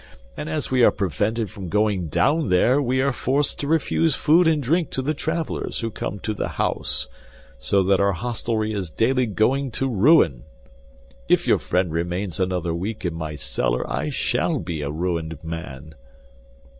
And as we are prevented from going down there, we are forced to refuse food and drink to the travelers who come to the house; so that our hostelry is daily going to ruin. If your friend remains another week in my cellar I shall be a ruined man."